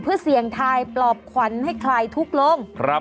เพื่อเสียงทายปลอบควันให้ใครทุกลง